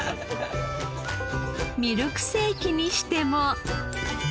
ミルクセーキにしても。